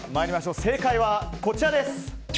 正解はこちらです。